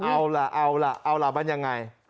เอาล่ะเอาล่ะมันยังไง